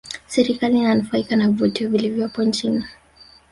serikali inanufaika na vivutio vilivopo nchini